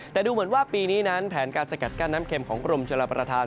แต่ดูเหมือนว่าปีนี้นั้นแผนการสกัดกั้นน้ำเข็มของกรมชลประธาน